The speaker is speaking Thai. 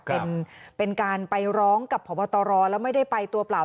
เป็นการไปร้องกับพบตรแล้วไม่ได้ไปตัวเปล่า